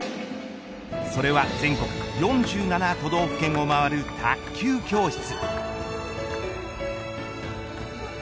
それは全国４７都道府県を回る卓球教室。